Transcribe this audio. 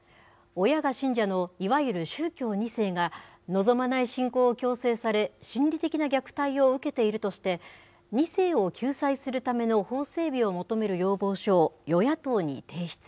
親が信者のいわゆる宗教２世が、望まない信仰を強制され、心理的な虐待を受けているとして、２世を救済するための法整備を求める要望書を与野党に提出。